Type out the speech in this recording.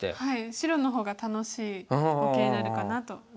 白の方が楽しい碁形になるかなと思います。